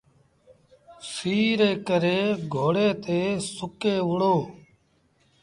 سيٚ ري ڪري گھوڙي تي سُڪي وهُڙو ۔